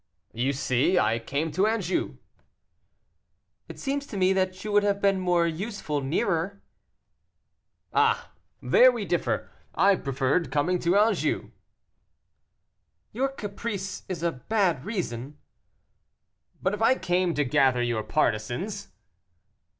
"You see, I came to Anjou." "It seems to me that you would have been more useful nearer." "Ah! there we differ; I preferred coming to Anjou." "Your caprice is a bad reason." "But, if I came to gather your partisans?"